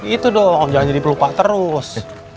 itu dong jangan jadi pelupa terus